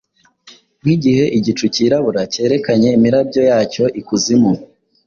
Nkigihe igicu cyirabura cyerekanye imirabyo yacyo ikuzimu.